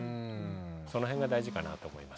その辺が大事かなと思います。